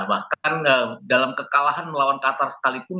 bahkan dalam kekalahan melawan qatar sekalipun